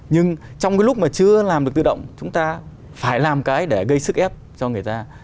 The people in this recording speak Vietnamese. nhưng trong cái lúc mà chưa làm được tự động chúng ta phải làm cái để gây sức ép cho người ta